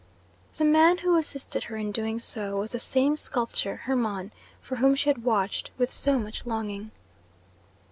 The man who assisted her in doing so was the same sculptor, Hermon, for whom she had watched with so much longing.